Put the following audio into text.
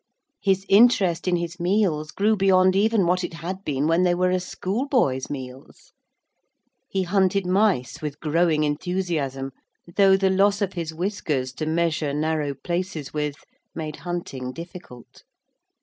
His interest in his meals grew beyond even what it had been when they were a schoolboy's meals. He hunted mice with growing enthusiasm, though the loss of his whiskers to measure narrow places with made hunting difficult.